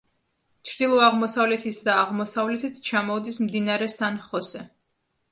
ჩრდილო-აღმოსავლეთით და აღმოსავლეთით ჩამოუდის მდინარე სან-ხოსე.